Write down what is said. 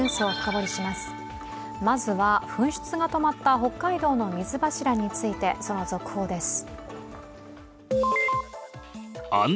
まずは、噴出が止まった北海道の水柱について、その続報です。